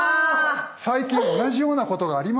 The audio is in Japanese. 最近同じようなことがありましたよ。